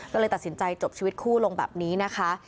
ก็เลยตัดสินใจจบชีวิตคู่ลงแบบนี้นะคะ